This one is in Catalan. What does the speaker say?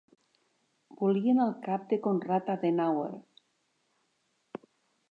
Volien el cap de Conrad Adenauer.